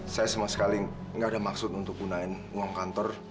saya sama sekali nggak ada maksud untuk gunain uang kantor